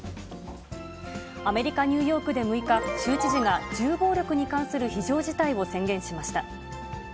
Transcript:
アメリカ・ニューヨークで６日、州知事が銃暴力に関する非常事態を宣言しました。